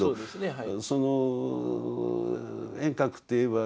はい。